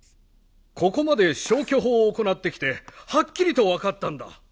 ここまで消去法を行ってきてはっきりと分かったんだ。